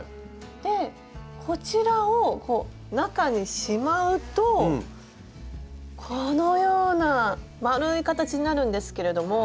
こちらを中にしまうとこのような丸い形になるんですけれども。